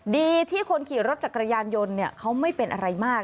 ดีที่คนขี่รถจักรยานยนต์เขาไม่เป็นอะไรมาก